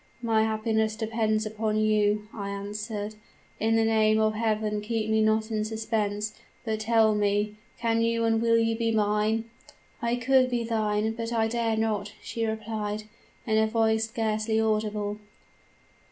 "'My happiness depends upon you,' I answered; 'in the name of Heaven keep me not in suspense; but tell me, can you and will you be mine?' "'I could be thine, but I dare not,' she replied, in a voice scarcely audible.